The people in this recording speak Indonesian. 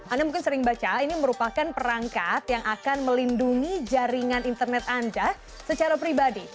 anda mungkin sering baca ini merupakan perangkat yang akan melindungi jaringan internet anda secara pribadi